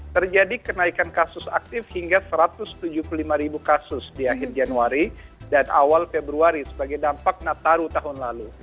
terjadi kenaikan kasus aktif hingga satu ratus tujuh puluh lima ribu kasus di akhir januari dan awal februari sebagai dampak nataru tahun lalu